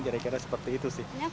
kira kira seperti itu sih